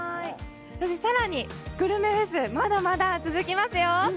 さらにグルメフェスまだまだ続きますよ。